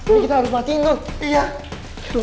ini kita harus matiin loh